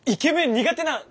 苦手なん